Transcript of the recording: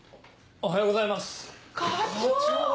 おはようございます。